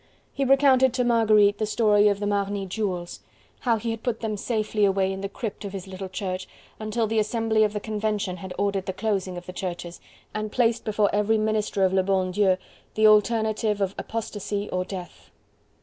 He recounted to Marguerite the story of the Marny jewels: how he had put them safely away in the crypt of his little church, until the Assembly of the Convention had ordered the closing of the churches, and placed before every minister of le bon Dieu the alternative of apostasy or death.